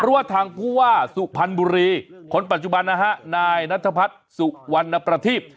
เพราะว่าทางผู้ว่าสุพรรณบุรีคนปัจจุบันนะฮะนายนัทพัฒน์สุวรรณประทีพ